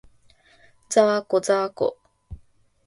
ざーこ、ざーこ